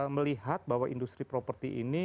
melihat bahwa industri properti ini